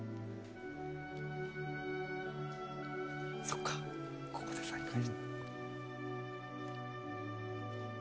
そっかここで再会。